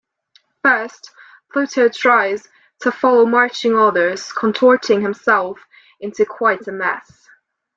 First, Pluto tries to follow marching orders, contorting himself into quite a mess.